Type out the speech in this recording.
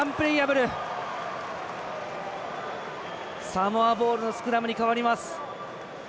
サモアボールのスクラムに変わります。